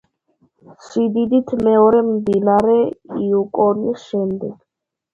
სიდიდით მეორე მდინარე იუკონის შემდეგ.